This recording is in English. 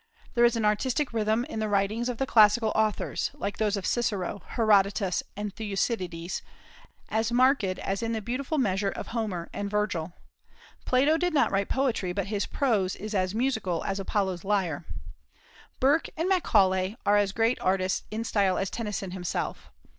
There is an artistic rhythm in the writings of the classical authors like those of Cicero, Herodotus, and Thucydides as marked as in the beautiful measure of Homer and Virgil. Plato did not write poetry, but his prose is as "musical as Apollo's lyre." Burke and Macaulay are as great artists in style as Tennyson himself.